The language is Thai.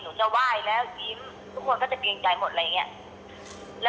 แล้วก็เอามือแบบปัดปัดไอ้นั่นแดนเซอร์หนูอะ